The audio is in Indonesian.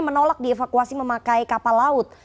menolak di evacuasi memakai kapal laut